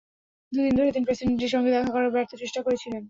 দুদিন ধরে তিনি প্রেসিডেন্টের সঙ্গে দেখা করার ব্যর্থ চেষ্টা করে যাচ্ছিলেন।